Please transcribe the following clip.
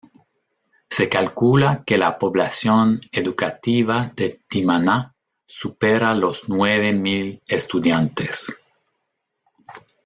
Se calcula que la población educativa de Timaná supera los nueve mil estudiantes.